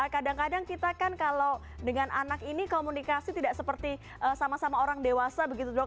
kadang kadang kita kan kalau dengan anak ini komunikasi tidak seperti sama sama orang dewasa begitu dok